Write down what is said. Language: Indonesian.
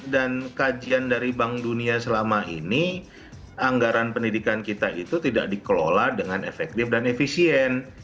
dan kajian dari bank dunia selama ini anggaran pendidikan kita itu tidak dikelola dengan efektif dan efisien